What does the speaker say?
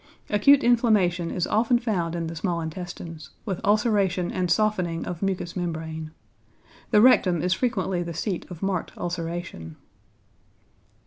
Acute inflammation is often found in the small intestines, with ulceration and softening of mucous membrane. The rectum is frequently the seat of marked ulceration.